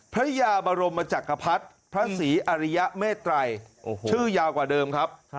พระยาบรมจักรพรรดิพระศรีอริยเมตรัยชื่อยาวกว่าเดิมครับ